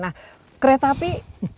nah kereta api